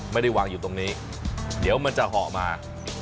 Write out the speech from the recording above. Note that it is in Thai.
ไม่ได้วางอยู่ตรงนี้เดี๋ยวมันจะเหาะมา